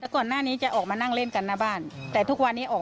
ก่อนหน้านี้จะออกมานั่งเล่นกันหน้าบ้านแต่ทุกวันนี้ออก